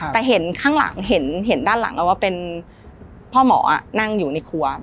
แต่เห็นข้างหลังเห็นด้านหลังว่าเป็นพ่อหมอนั่งอยู่ในครัว